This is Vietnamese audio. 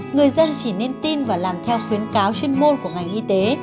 người dân chỉ nên tin và làm theo khuyến cáo chuyên môn của ngành y tế